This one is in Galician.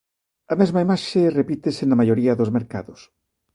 A mesma imaxe repítese na maioría dos mercados.